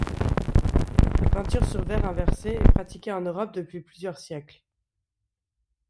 La peinture sur verre inversé est pratiquée en Europe depuis plusieurs siècles.